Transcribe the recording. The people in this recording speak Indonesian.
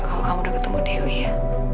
kalau kamu udah ketemu dewi ya